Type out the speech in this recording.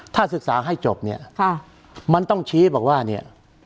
ถ้าศึกษาให้จบเนี่ยมันต้องชี้บอกว่าเนี่ย